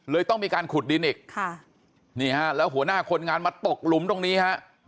ต้องมีการขุดดินอีกค่ะนี่ฮะแล้วหัวหน้าคนงานมาตกหลุมตรงนี้ฮะ